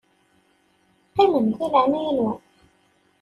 Qqimem di leɛnaya-nwen.